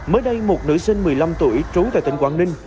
mới đây một nữ sinh một mươi năm tuổi trú tại tỉnh quảng ninh